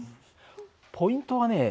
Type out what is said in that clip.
ポイントはね